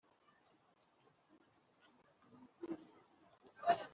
, inka ayikubita inkoni, arayishorera,